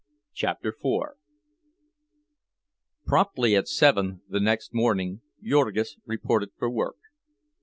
CHAPTER IV Promptly at seven the next morning Jurgis reported for work.